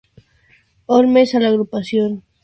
Holmes a la agrupación.